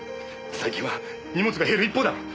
最近は荷物が減る一方だ。